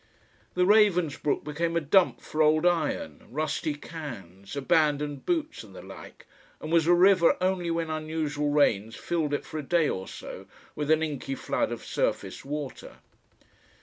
The Ravensbrook became a dump for old iron, rusty cans, abandoned boots and the like, and was a river only when unusual rains filled it for a day or so with an inky flood of surface water....